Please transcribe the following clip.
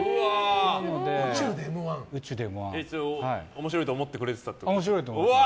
面白いと思ってくれてたってことですか？